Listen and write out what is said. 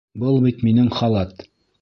Был бит минең халат!